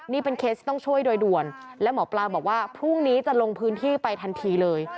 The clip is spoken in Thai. นี่เป็นเคสที่ต้องช่วยโดยด่วนและหมอปลาบอกว่าพรุ่งนี้จะลงพื้นที่ไปทันทีเลย